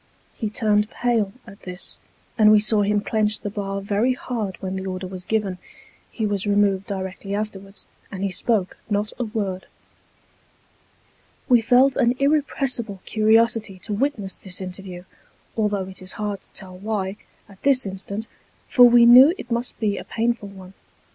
He turned pale at this, and we saw him clench the bar very hard when the order was given. He was removed directly afterwards, and he spoke not a word. We felt an irrepressible curiosity to witness this interview, although it is hard to tell why, at this instant, for we knew it must be a painful one.